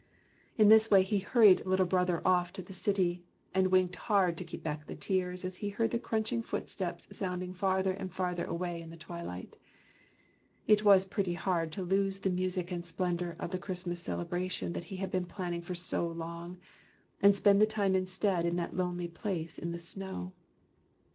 In this way he hurried Little Brother off to the city, and winked hard to keep back the tears, as he heard the crunching footsteps sounding farther and farther away in the twilight. It was pretty hard to lose the music and splendor of the Christmas celebra tion that he had been planning for so long, and spend the time instead in that lonely place in the snow.